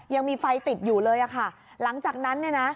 ยังมีไฟติดอยู่เลยอะค่ะหลังจากนั้นเนี่ยนะ